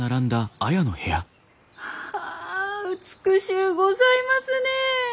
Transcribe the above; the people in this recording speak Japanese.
あ美しゅうございますねえ！